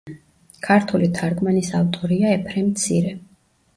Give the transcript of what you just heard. ქართული თარგმანის ავტორია ეფრემ მცირე.